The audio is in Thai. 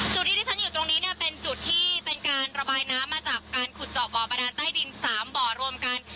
จุดที่ที่ฉันอยู่ตรงนี้เนี่ยเป็นจุดที่เป็นการระบายน้ำมาจากการขุดเจาะบ่อบาดานใต้ดิน๓บ่อรวมกัน